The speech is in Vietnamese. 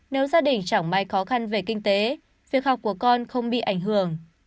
nếu gia đình chẳng may khó khăn về kinh tế việc học của con không bị ảnh hưởng